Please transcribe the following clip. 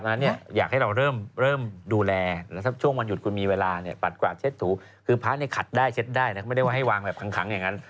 ฉะนั้นเนี่ยอยากให้เราเริ่มดูแลนะครับช่วงวันหยุดคุณมีเวลาเนี่ยปัดกวาดเช็ดถูคือพระเนี่ยขัดได้เช็ดได้นะไม่ได้ว่าให้วางแบบขังอย่างนั้น